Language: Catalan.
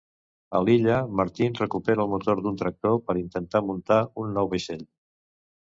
A l'illa, Martin recupera el motor d'un tractor per intentar muntar un nou vaixell.